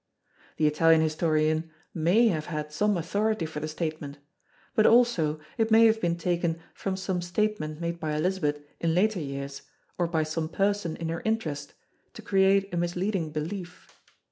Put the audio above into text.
The Italian historian may have had some authority for the statement; but also it may have been taken from some statement made by Elizabeth in later years or by some person in her interest, to create a misleading belief.